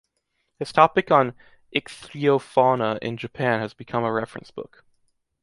His topic on ichthyofauna in Japan has become a reference book.